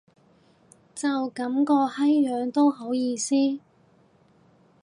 就噉個閪樣都好意思